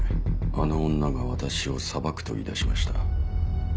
あの女が私を裁くと言い出しました。